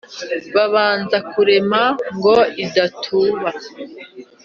babanza kurema ngo idatuba.